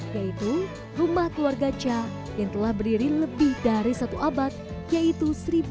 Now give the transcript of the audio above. yaitu rumah keluarga cha yang telah berdiri lebih dari satu abad yaitu seribu sembilan ratus enam puluh